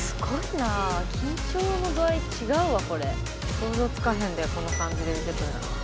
「想像つかへんでこの感じで出てくるなんて」